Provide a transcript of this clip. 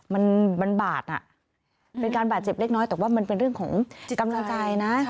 มันมันบาดอ่ะเป็นการบาดเจ็บเล็กน้อยแต่ว่ามันเป็นเรื่องของกำลังใจนะ